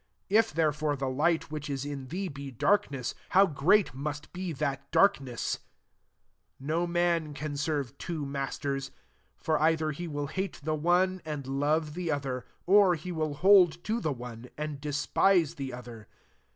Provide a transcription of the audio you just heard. If therefore the light which is in thee be darkness, how great must be that darkness ! 24 "No man can serve two masters : for either he will hate the one, and love the other ; or he will hold to the one, and des pise the other.